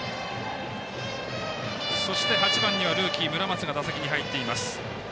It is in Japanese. ８番にはルーキー村松が打席に入っています。